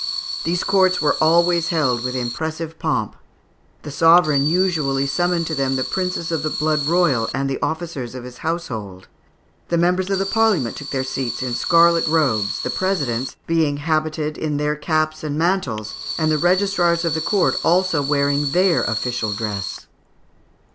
These courts were always held with impressive pomp. The sovereign usually summoned to them the princes of the blood royal and the officers of his household; the members of the Parliament took their seats in scarlet robes, the presidents being habited in their caps and their mantles, and the registrars of the court also wearing their official dress.